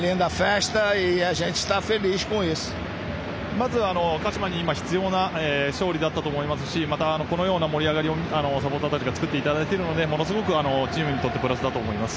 まず鹿島に必要な勝利だったと思いますしまたこのような盛り上がりをサポーターたちが作ってくれているのでものすごくチームにとってプラスだと思います。